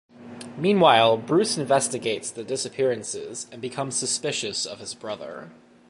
Meanwhile, Bruce investigates the disappearances and becomes suspicious of his brother.